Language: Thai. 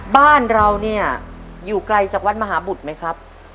บ้านเราเนี่ยอยู่ไกลจากวัดมหาบุตรไหมครับ